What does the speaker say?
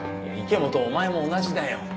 池本お前も同じだよ。